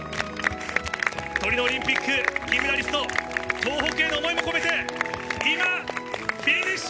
トリノオリンピック金メダリスト、東北への想いも込めて、今、フィニッシュ。